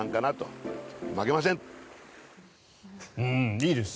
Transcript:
いいですね。